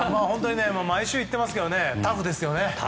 毎週言ってますけどタフですよね。